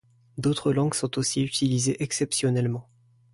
D'autres langues sont aussi utilisées exceptionnellement.